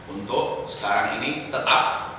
untuk sekarang ini tetap